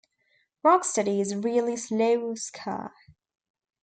Rocksteady is really slow ska.